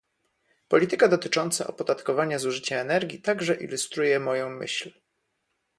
Polityka dotycząca opodatkowania zużycia energii także ilustruje moją myśl